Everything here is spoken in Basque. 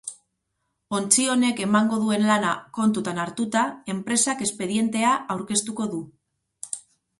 Ontzi honek emango duen lana kontutan hartuta, enpresak espedientea aurkeztuko du.